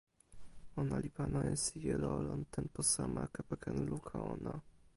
ona li pana e sijelo lon tenpo sama kepeken luka ona.